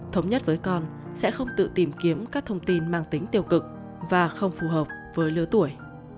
thống nhất với con sẽ không tự tìm kiếm các thông tin mang tính tiêu cực và không phù hợp với lứa tuổi